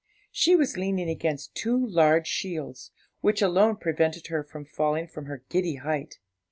She was leaning against two large shields, which alone prevented her from falling from her giddy height.